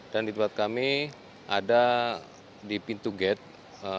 dan di tempat kami ada di pintu gate